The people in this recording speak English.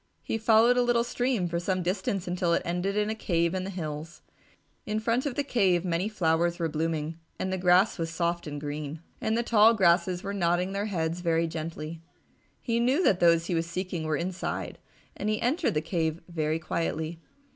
He followed a little stream for some distance until it ended in a cave in the hills. In front of the cave many flowers were blooming and the grass was soft and green, and the tall grasses were nodding their heads very gently. He knew that those he was seeking were inside, and he entered the cave very quietly.